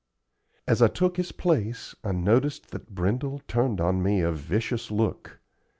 As I took his place, I noticed that Brindle turned on me a vicious look.